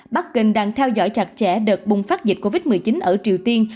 bắc kinh đang theo dõi chặt chẽ đợt bùng phát dịch covid một mươi chín ở triều tiên